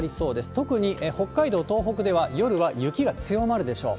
特に北海道、東北では夜は雪が強まるでしょう。